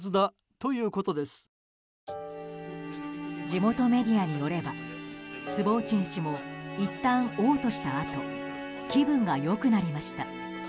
地元メディアによればスボーチン氏もいったん嘔吐したあと気分が良くなりました。